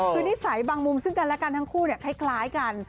คือนิสัยบางมุมซึ่งดาราการทั้งคู่เนี่ยคล้ายกัน